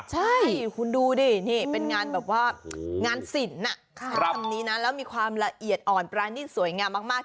ใช่คุณดูดินี่เป็นงานแบบว่างานสินแล้วมีความละเอียดอ่อนปรานินทร์สวยงามมาก